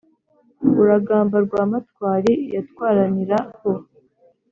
urugamba rwa matwari yatwaranira ho